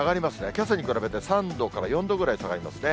けさに比べて３度から４度ぐらい下がりますね。